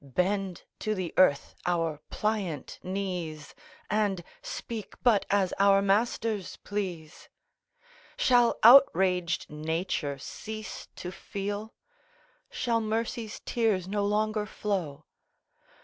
Bend to the earth our pliant knees, And speak but as our masters please? Shall outraged Nature cease to feel? Shall Mercy's tears no longer flow?